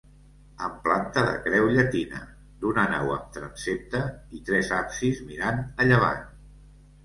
Amb planta de creu llatina –d'una nau amb transsepte- i tres absis mirant a llevant.